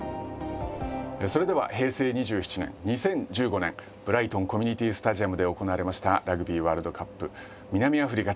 それでは平成２７年２０１５年ブライトンコミュニティースタジアムで行われましたラグビーワールドカップ南アフリカ対